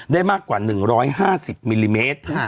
ได้มากกว่า๑๕๐มิลลิเมตร